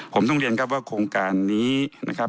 ผมต้องเรียนครับว่าโครงการนี้นะครับ